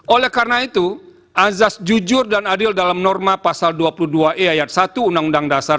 oleh karena itu azas jujur dan adil dalam norma pasar dua puluh dua e ayat satu undang undang dasar seribu sembilan ratus empat puluh lima